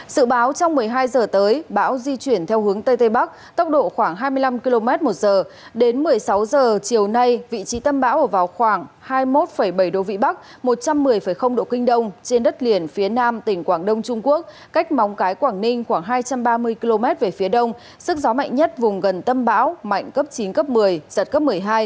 sự báo trong một mươi hai giờ tới bão di chuyển theo hướng tây tây bắc tốc độ khoảng hai mươi năm km một giờ đến một mươi sáu giờ chiều nay vị trí tâm bão ở vào khoảng hai mươi một bảy độ vĩ bắc một trăm một mươi độ kinh đông trên đất liền phía nam tỉnh quảng đông trung quốc cách móng cái quảng ninh khoảng hai trăm ba mươi km về phía đông sức gió mạnh nhất vùng gần tâm bão mạnh cấp chín cấp một mươi giật cấp một mươi hai